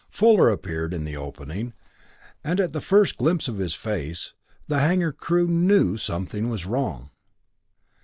Fuller appeared in the opening, and at the first glimpse of his face, the hanger crew knew something was wrong.